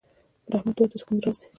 د رحمت دعا د سکون راز دی.